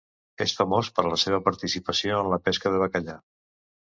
És famós per la seva participació en la pesca de bacallà.